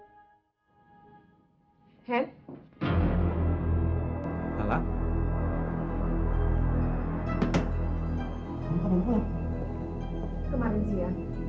kamu tidak kasih kabar sih